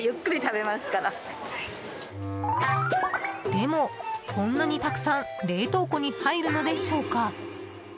でも、こんなにたくさん冷凍庫に入るのでしょうか。